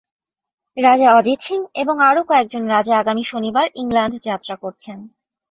রাজা অজিত সিং এবং আরও কয়েকজন রাজা আগামী শনিবার ইংলণ্ড যাত্রা করছেন।